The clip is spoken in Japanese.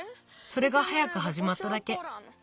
それが早くはじまっただけ。